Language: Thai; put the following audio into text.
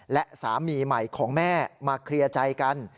และสามีใหม่ของแม่มาเคลียร์ใจกัน